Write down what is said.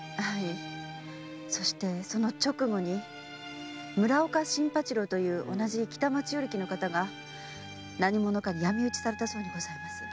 そしてその直後に村岡新八郎という同じ北町与力の方が何者かに闇討ちされたそうでございます。